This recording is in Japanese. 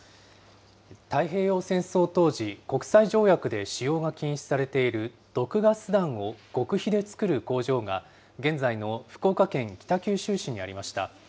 太平洋戦争当時、国際条約で使用が禁止されている毒ガス弾を極秘で作る工場が、現在の福岡県北九州市にありました。